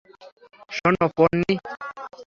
শোনো, পোন্নি।